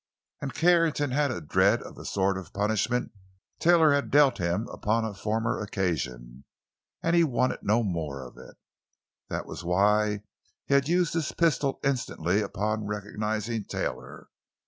And Carrington had a dread of the sort of punishment Taylor had dealt him upon a former occasion, and he wanted no more of it. That was why he had used his pistol instantly upon recognizing Taylor.